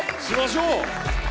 しましょう！